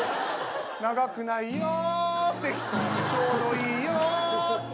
「長くないよって人ちょうどいいよって人」